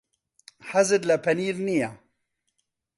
حەزت لە پەنیر نییە.